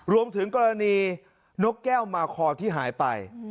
รวมถึงกรณีนกแก้วมาคอที่หายไป